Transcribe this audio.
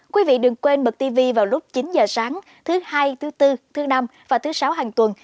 quý vị đừng quên bật tv vào lúc chín h sáng thứ hai thứ bốn thứ năm và thứ sáu hàng tuần